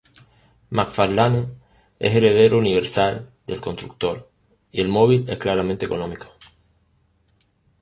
McFarlane es heredero universal del constructor, y el móvil es claramente económico.